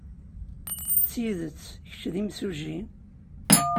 D tidet kečč d imsujji?